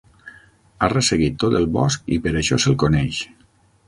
Ha resseguit tot el bosc i per això se'l coneix.